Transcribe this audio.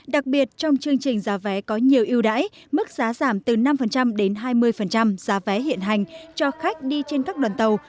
đặc biệt trong chương trình giá vé có nhiều ưu đãi mức giá giảm từ năm đến hai mươi giá vé hiện hành cho khách đi trên các đoàn tàu